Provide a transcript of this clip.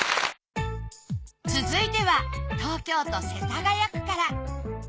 続いては東京都世田谷区から。